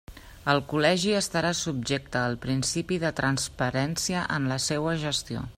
El col·legi estarà subjecte al principi de transparència en la seua gestió.